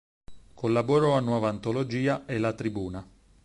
Collaborò a "Nuova antologia" e "La tribuna".